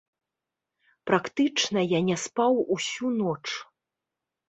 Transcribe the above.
Практычна я не спаў усю ноч.